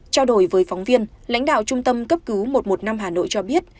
trao đổi với phóng viên lãnh đạo trung tâm cấp cứu một trăm một mươi năm hà nội cho biết